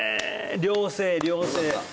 良性良性